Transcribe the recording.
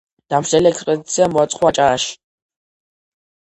დამსჯელი ექსპედიცია მოაწყო აჭარაში.